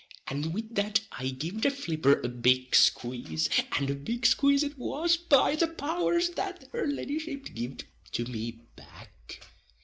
And with that I givd the flipper a big squaze, and a big squaze it was, by the powers, that her leddyship giv'd to me back.